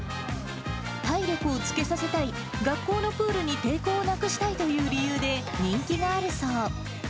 体力をつけさせたい、学校のプールに抵抗をなくしたいという理由で、人気があるそう。